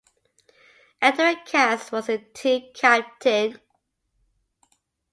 Edward Kast was the team captain.